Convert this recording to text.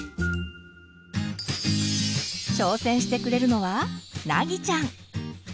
挑戦してくれるのは凪ちゃん。